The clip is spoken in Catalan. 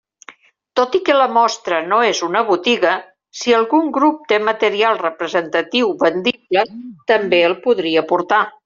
Tot i que la mostra no és una botiga, si algun grup té material representatiu vendible, també el podria portar.